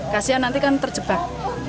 kasian nanti kan terjebak